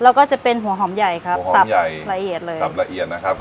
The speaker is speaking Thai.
เราก็จะเป็นหัวหอมใหญ่ครับสับละเอียดเลยหัวหอมใหญ่สับละเอียดนะครับ